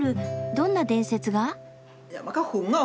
どんな伝説が？